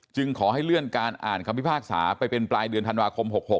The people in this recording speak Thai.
ขอให้เลื่อนการอ่านคำพิพากษาไปเป็นปลายเดือนธันวาคม๖๖